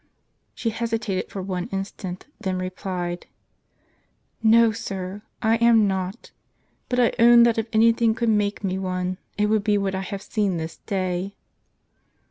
She hesitated for one instant, then replied, " No, sir, I am not ; but I own that if anything could make me one, it would be what I have seen this day."